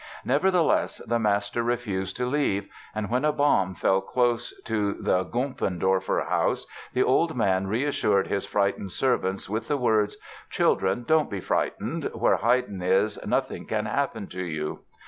Nevertheless, the master refused to leave and when a bomb fell close to the Gumpendorfer house the old man reassured his frightened servants with the words: "Children, don't be frightened; where Haydn is, nothing can happen to you!"